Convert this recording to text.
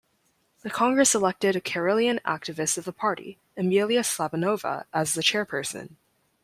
The congress elected a Karelian activist of the party, Emilia Slabunova as the chairperson.